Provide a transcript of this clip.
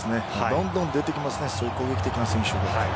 どんどん出てきますね。